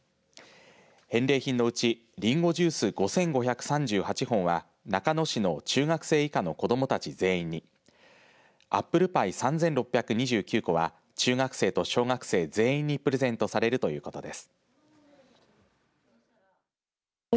返礼品のうちりんごジュース５５３８本は中野市の中学生以下の子どもたち全員にアップルパイ３６２９個は中学生と小学生全員にプレゼントされるということです。